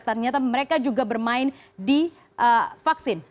ternyata mereka juga bermain di vaksin